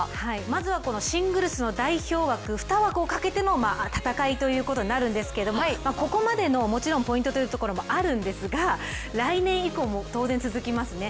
まずはシングルスの代表枠、２枠をかけての戦いとなるんですけれどもここまでのポイントというところもあるんですが、来年以降も当然続きますね。